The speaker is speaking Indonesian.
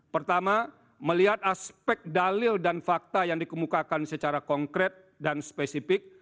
pertama melihat aspek dalil dan fakta yang dikemukakan secara konkret dan spesifik